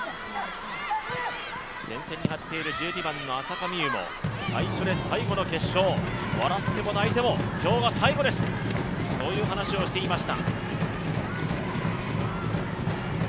前線に張っている１２番の浅香美結も笑っても泣いても今日が最後ですという話をしていました。